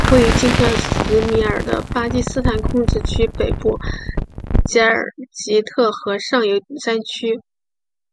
位于今克什米尔的巴基斯坦控制区北部吉尔吉特河上游山区。